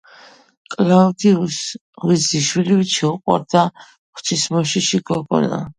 კლავდიუსს ღვიძლი შვილივით შეუყვარდა ღვთისმოშიში გოგონა.